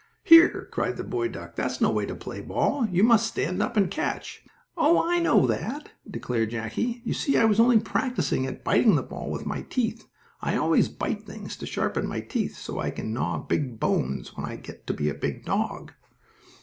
"Here!" cried the boy duck. "That's no way to play ball! You must stand up and catch." "Oh, I know that," declared Jackie. "You see I was only practising at biting the ball with my teeth. I always bite things to sharpen my teeth so I can gnaw big bones when I get to be a big dog."